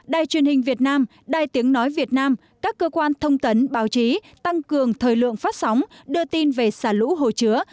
đài truyền hình việt nam đài tiếng nói việt nam các cơ quan thông tấn báo chí tăng cường thời lượng phát sóng đưa tin về xả lũ hồ chứa